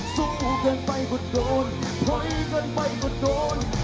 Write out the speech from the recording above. สู้เกินไปก็โดนถอยเกินไปก็โดน